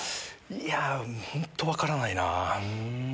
いや本当分からないな。